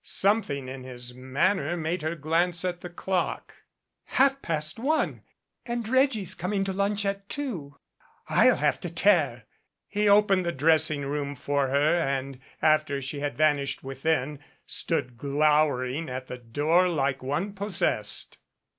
Something in his manner made her glance at the clock. "Half past one and Reggie's coming to lunch at two. I'll have to tear" He opened the dressing room for her and, after she had vanished within, stood glowering at the door like one possessed.